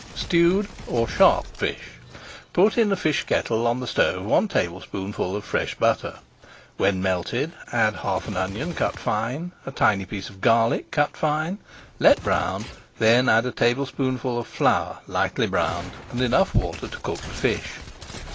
STEWED OR SHARP FISH Put in a fish kettle on the stove one tablespoonful of fresh butter, when melted add half an onion cut fine, a tiny piece of garlic, cut fine; let brown, then add a tablespoonful of flour, lightly browned, and enough water to cook the fish.